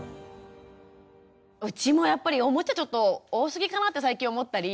うちもやっぱりおもちゃちょっと多すぎかなって最近思ったり。